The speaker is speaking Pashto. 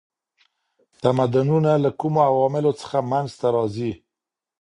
تمدنونه له کومو عواملو څخه منځ ته راځي؟